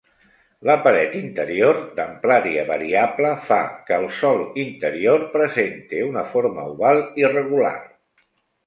La paret interior, d'amplària variable, fa que el sòl interior presente una forma oval irregular.